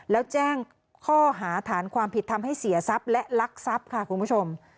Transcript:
แล้วแจ้งข้อหาฐานความผิดทำให้เสียทรัพย์และลักทรัพย์ค่ะคุณผู้ชม